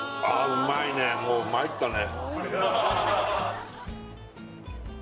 うまいねもうまいったね